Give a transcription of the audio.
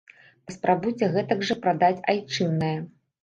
Паспрабуйце гэтак жа прадаць айчыннае.